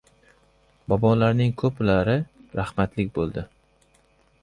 Bobolarning ko‘plari rahmatlik bo‘ldi.